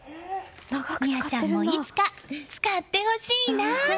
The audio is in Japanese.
深愛ちゃんもいつか使ってほしいな。